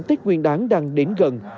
tết nguyên đáng đang đến gần